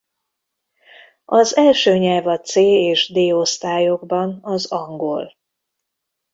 Az első nyelv a C és D osztályokban az angol.